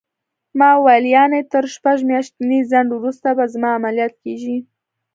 ما وویل: یعنې تر شپږ میاشتني ځنډ وروسته به زما عملیات کېږي؟